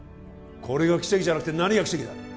これが奇跡じゃなくて何が奇跡だ